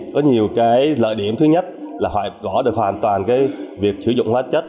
có nhiều cái lợi điểm thứ nhất là gõ được hoàn toàn cái việc sử dụng hóa chất